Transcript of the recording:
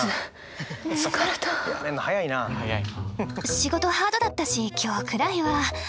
仕事ハードだったし今日くらいは。